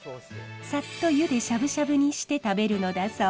さっとゆでしゃぶしゃぶにして食べるのだそう。